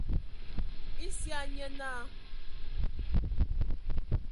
Esia nye naa.